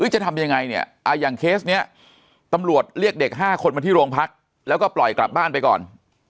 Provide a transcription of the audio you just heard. จะทำยังไงเนี่ยอย่างเคสนี้ตำรวจเรียกเด็ก๕คนมาที่โรงพักแล้วก็ปล่อยกลับบ้านไปก่อน